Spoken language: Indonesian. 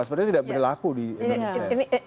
sebenarnya tidak berlaku di indonesia